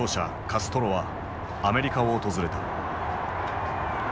カストロはアメリカを訪れた。